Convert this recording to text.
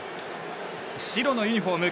白のユニホーム